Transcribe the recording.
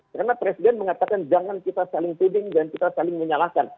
karena presiden mengatakan jangan kita saling tuding jangan kita saling menyalahkan